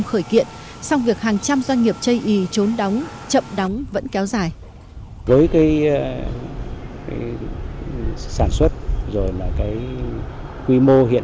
sau khởi kiện sau việc hàng trăm doanh nghiệp chây y trốn đóng chậm đóng vẫn kéo dài